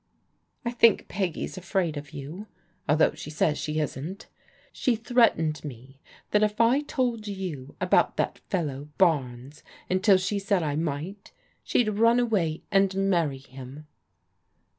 "" I think Peggy's afraid of you, although she says she isn't. She threatened me that if I told you about that fellow Barnes tmtil she said I might, she'd run away and marry him."